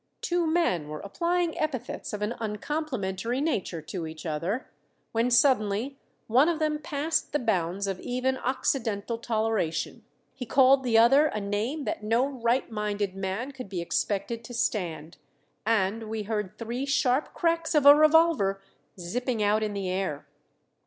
Two men were applying epithets of an uncomplimentary nature to each other, when suddenly one of them passed the bounds of even occidental toleration. He called the other a name that no right minded man could be expected to stand, and we heard three sharp cracks of a revolver zipping out in the air.